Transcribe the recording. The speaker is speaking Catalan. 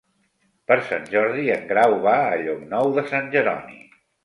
Per Sant Jordi en Grau va a Llocnou de Sant Jeroni.